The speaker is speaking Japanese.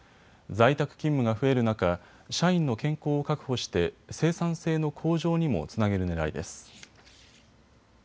在宅勤務が増える中、社員の健康を確保して生産性の向上にもつなげるねらいです。